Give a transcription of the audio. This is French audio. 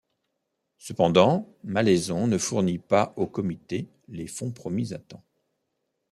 Cependant, Malleson ne fourni pas au comité les fonds promis à temps.